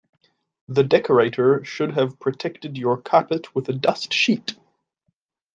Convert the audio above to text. The decorator should have protected your carpet with a dust sheet